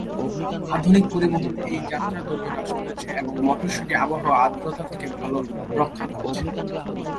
আধুনিক পরিবহন এই যাত্রার দৈর্ঘ্য হ্রাস করেছে এবং মটরশুটি আবহাওয়া এবং আর্দ্রতা থেকে ভাল রক্ষা করেছে।